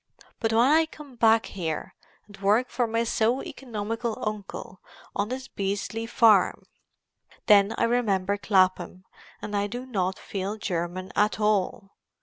But when I come back here and work for my so economical uncle on this beastly farm, then I remember Clapham and I do not feel German at all.